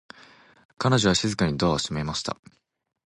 彼女は静かにドアを閉めました。